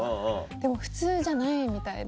でも普通じゃないみたいで。